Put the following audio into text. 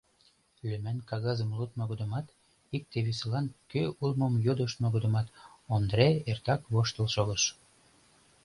Лӱман кагазым лудмо годымат, икте-весылан кӧ улмым йодыштмо годымат Ондре эртак воштыл шогыш.